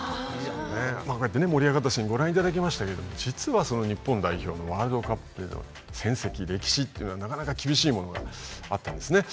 まあこうやってね盛り上がったシーンご覧いただきましたけども実はその日本代表のワールドカップでの戦績歴史っていうのはなかなか厳しいものがあったんですね。